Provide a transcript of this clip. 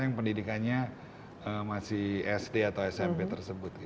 yang pendidikannya masih sd atau smp tersebut